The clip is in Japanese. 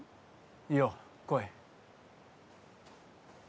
いいよ来い。